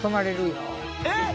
えっ？